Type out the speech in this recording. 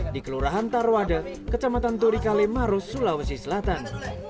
di kelurahan tarwade kecamatan turikale maros sulawesi selatan